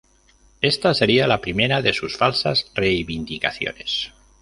Esta sería la primera de sus falsas reivindicaciones.